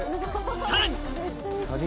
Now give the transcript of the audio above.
さらに！